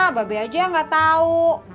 mbak be aja yang gak tau